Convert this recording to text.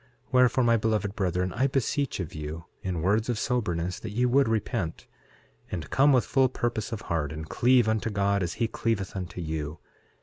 6:5 Wherefore, my beloved brethren, I beseech of you in words of soberness that ye would repent, and come with full purpose of heart, and cleave unto God as he cleaveth unto you.